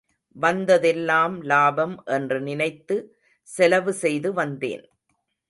வந்ததெல்லாம் லாபம் என்று நினைத்து செலவு செய்து வந்தேன்.